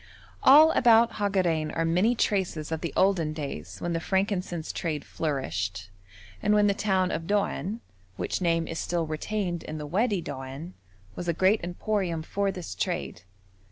All about Hagarein are many traces of the olden days when the frankincense trade flourished, and when the town of Doan, which name is still retained in the Wadi Doan, was a great emporium for this trade.